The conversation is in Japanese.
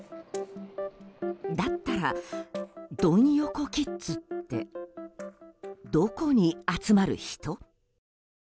だったら、ドン横キッズってどこに集まる人？